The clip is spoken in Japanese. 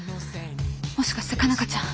もしかして佳奈花ちゃん。